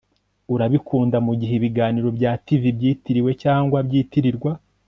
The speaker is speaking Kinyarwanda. Urabikunda mugihe ibiganiro bya TV byitiriwe cyangwa byitirirwa